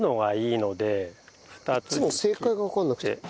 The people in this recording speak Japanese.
いっつも正解がわかんなくて。